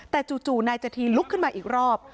แต่จู่นายจธีลุกขึ้นมาอีกรอบ